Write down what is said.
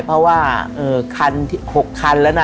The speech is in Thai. เพราะว่าเออคันที่หกคันแล้วนะ